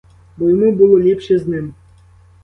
Бо йому було ліпше з ним.